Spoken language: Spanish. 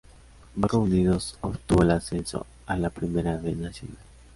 Boca Unidos obtuvo el ascenso a la Primera B Nacional.